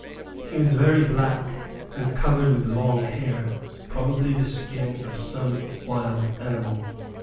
He was very black, and covered with long hair, probably the skin of some wild animal.